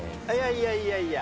いやいやいや。